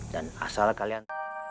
dan asal kalian